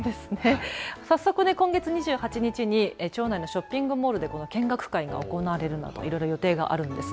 早速、今月２８日に町内のショッピングモールで見学会が行われるなどいろいろ予定があるんです。